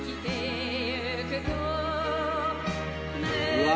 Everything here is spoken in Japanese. うわ！